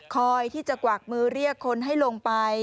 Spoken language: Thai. คอยที่จะกวักมือเรียกคนให้ลงไป